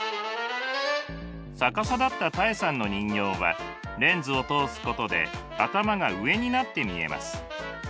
逆さだったタエさんの人形はレンズを通すことで頭が上になって見えます。